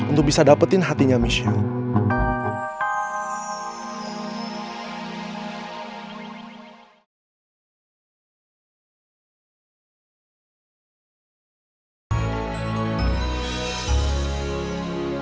untuk bisa dapetin hatinya michelle